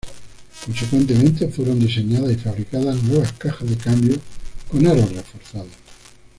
Consecuentemente, fueron diseñadas y fabricadas nuevas cajas de cambios con aros reforzados.